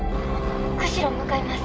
釧路向かいます。